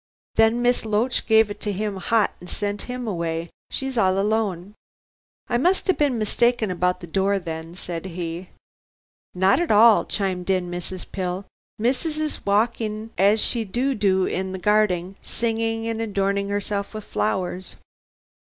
Then Miss Loach gave it to him hot and sent him away. She's all alone." "I must have been mistaken about the door then," said he. "Not at all," chimed in Mrs. Pill. "Missus is walking as she do do in the garding, singing and adornin' self with flowers."